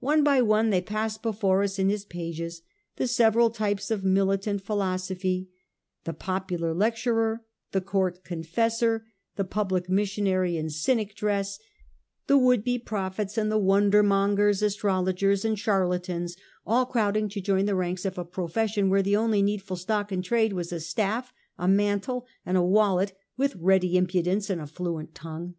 One by one they pass before us in his pages, the several types of militant philosophy, — the popular lecturer, the court confessor, the public missionary in Cynic dress, the would be prophets, and the wonder mongers, astrologers, and charlatans all crowding to join the ranks of a profession where the only needful stock in trade was a staff, a mantle, and a wallet, with ready impudence and fluent tongue.